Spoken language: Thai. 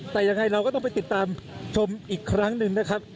แต่ยังไงเราก็ต้องไปติดตามชมอีกครั้งหนึ่งนะครับ